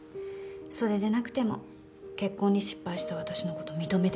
それでなくても結婚に失敗した私の事認めてないのに。